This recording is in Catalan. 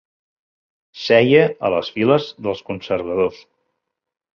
Seia a les files dels Conservadors.